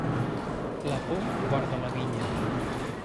La por guarda la vinya.